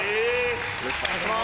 よろしくお願いします。